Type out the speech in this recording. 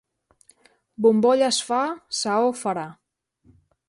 Bombolles fa, saó farà.